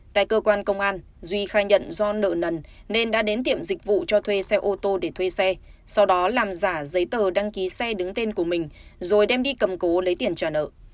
tại cơ quan công an duy khai nhận do nợ nần nên đã đến tiệm dịch vụ cho thuê xe ô tô để thuê xe sau đó làm giả giấy tờ đăng ký xe đứng tên của mình rồi đem đi cầm cố lấy tiền trả nợ